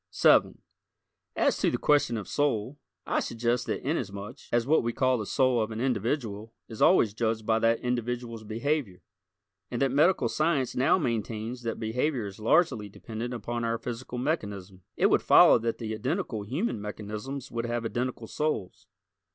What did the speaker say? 7 As to the question of soul, I suggest that inasmuch as what we call the soul of an individual is always judged by that individual's behavior, and that medical science now maintains that behavior is largely dependent upon our physical mechanism, it would follow that the identical human mechanisms would have identical souls.